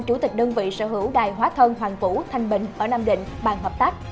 chủ tịch đơn vị sở hữu đài hóa thân hoàng vũ thanh bình ở nam định bàn hợp tác